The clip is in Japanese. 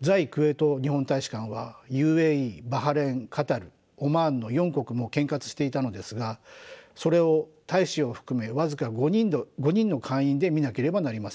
在クウェート日本大使館はＵＡＥバハレーンカタルオマーンの４国も兼轄していたのですがそれを大使を含め僅か５人の館員で見なければなりませんでした。